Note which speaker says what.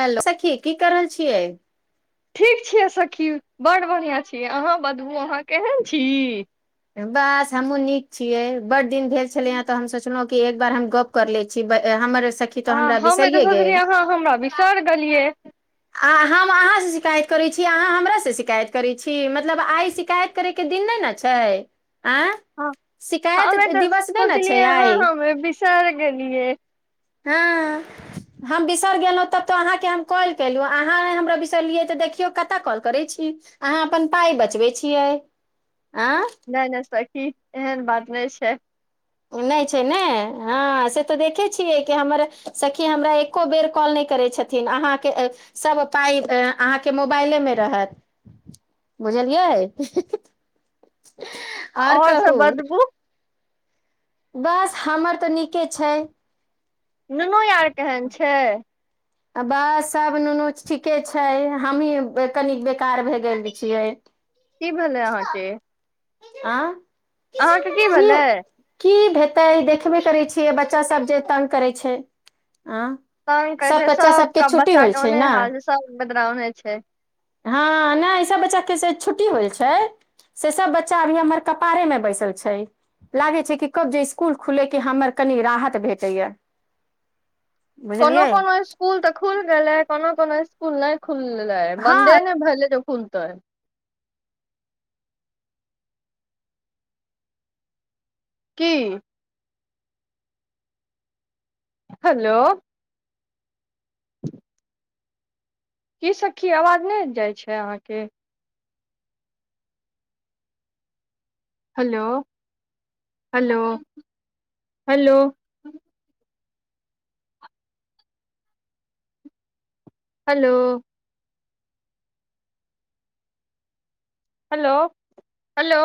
Speaker 1: hello सखी की कऽ रहल छियै
Speaker 2: ठीक छियै सखी बड्ड बढ़िआँ छियै अहाँ बतबू अहाँ केहन छी
Speaker 1: बस हमहुँ नीक छियै बड्ड दिन भेल छलै हें तऽ हम सोचलहुँ कि एक बार हम गप्प कर लै छी हमर सखी तऽ
Speaker 2: आ
Speaker 1: हमरा
Speaker 2: हमे तऽ
Speaker 1: बिसरिए
Speaker 2: सोचैय छेलियै
Speaker 1: गेल
Speaker 2: अहाँ हमरा बिसरि गेलियै
Speaker 1: आ हम अहाँसँ शिकायत करैछी अहाँ हमरासँ शिकायत करै छी मतलब आय शिकायत करै के दिन नै ने छै आंय
Speaker 2: हँ हमे तऽ सोंचलियै अहाँ हमरे बिसरि गेलियै
Speaker 1: हँ हम बिसरि गेलहुँ तब तऽ अहाँके हम कॉल केलहुँ अहाँ नै हमरा बिसरलियै तऽ देखियौ कत कॉल करै छी अहाँ अपन पाइ बचबै छियै आय
Speaker 2: नहि नहि सखी एहन बात नहि छै
Speaker 1: नइ छै ने हँ से तऽ देखै छियै कि हमर सखी हमरा एको बेर कॉल नइ करैय छथिन अहाँके सब पाइ अहाँके मोबाइलेमे रहत बुझलियै हें हें आओर कहू
Speaker 2: सब बतबू
Speaker 1: बस हमर तऽ नीके छै
Speaker 2: नुनू यर केहेन छै
Speaker 1: बस सभ नुनू ठीके छै हमही कनि बेकार भए गेल छियै
Speaker 2: की भेलै अहाँके
Speaker 1: आय
Speaker 2: अहाँके की भेलै
Speaker 1: तऽ देखबे करै छियै बच्चा सब जे तंग करै छै आँ
Speaker 2: तंग कहै
Speaker 1: सब
Speaker 2: छै
Speaker 1: बच्चा सबके
Speaker 2: सभकेँ
Speaker 1: छुट्टी होल
Speaker 2: बच्चाके
Speaker 1: छै
Speaker 2: ओहने
Speaker 1: ने
Speaker 2: हाल छै सब बेदरा ओहने छै
Speaker 1: हँ नैय ई सब बच्चाके से छुट्टी होइल छै से सब बच्चा अभी हमर कपारेमे बैसल छै लागै छै कि कब जे स्कूल खुलैय की हमर कनि राहत भेटैए य
Speaker 2: [inaudible] कोनो-कोनो स्कूल तऽ खुल गेलै कोनो-कोनो स्कूल नहि खुलले ह
Speaker 1: हँ
Speaker 2: बन्दे नय भल जो खुलतोै की हेलो की सखी आवाज नइ जाइ छै अहाँके hello hello hello hello hello हलो